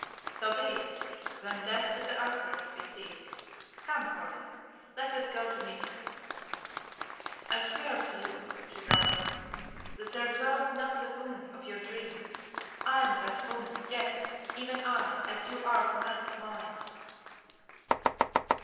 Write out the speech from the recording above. "So be it. Then Death is the answer that we seek. Come, Horace, let us go to meet him." "I swear to you," she broke in, "that there dwells not the woman of your dreams. I am that woman, yes, even I, as you are the man of mine."